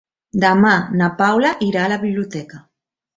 Demà na Paula irà a la biblioteca.